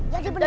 ya dia beneran